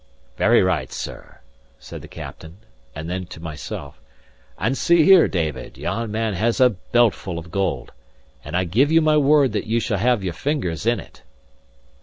"Very right, sir," said the captain; and then to myself: "And see here, David, yon man has a beltful of gold, and I give you my word that you shall have your fingers in it."